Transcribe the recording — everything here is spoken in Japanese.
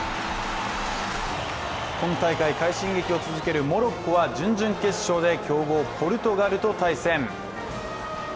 今大会、快進撃を続けるモロッコは準々決勝で強豪ポルトガルと対戦。